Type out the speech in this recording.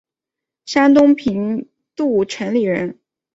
山东平度城里人。